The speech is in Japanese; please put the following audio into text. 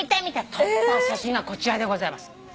撮った写真がこちらでございます。